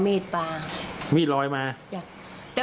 ไม่รู้